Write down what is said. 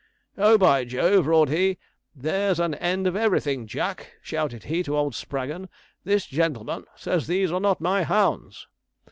'"Oh, by Jove!" roared he, "there's an end of everything, Jack," shouted he to old Spraggon, "this gentleman says these are not my hounds!"